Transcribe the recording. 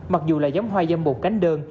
mặc dù là giống hoa dâm bục cánh đơn